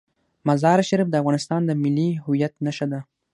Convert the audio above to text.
مزارشریف د افغانستان د ملي هویت نښه ده.